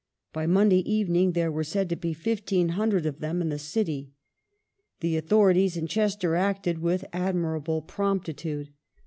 By Monday evening there were said to be 1,500 of them in the city. The authorities in Chester acted with commendable promptitude.